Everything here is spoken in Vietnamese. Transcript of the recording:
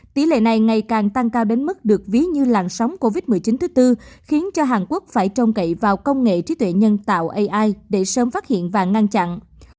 tỷ lệ này ngày càng tăng cao đến mức được ví như làn sóng covid một mươi chín thứ tư khiến cho hàn quốc phải trông cậy vào công nghệ trí tuệ nhân tạo ai để sớm phát hiện và ngăn chặn